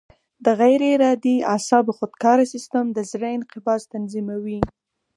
د غیر ارادي اعصابو خودکاره سیستم د زړه انقباض تنظیموي.